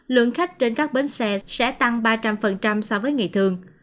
lượng khách trên các bến xe sẽ tăng ba trăm linh so với ngày thường